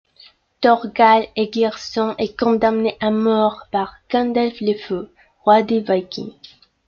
Thorgal Aegirsson est condamné à mort par Gandalf-le-fou, roi des Vikings.